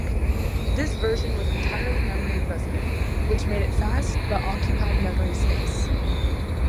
This version was entirely memory resident, which made it fast but occupied memory space.